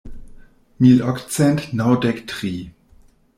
Mil okcent naŭdek tri.